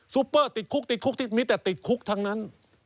ปเปอร์ติดคุกติดคุกที่มีแต่ติดคุกทั้งนั้น